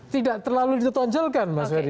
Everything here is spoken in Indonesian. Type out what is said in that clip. tidak terlalu ditonjolkan mas ferry